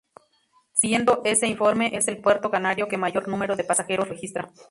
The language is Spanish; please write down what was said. Siguiendo ese informe es el puerto canario que mayor número de pasajeros registra.